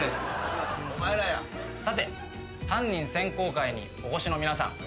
さて犯人選考会にお越しの皆さん。